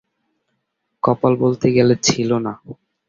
কপাল বলতে গেলে ছিল না।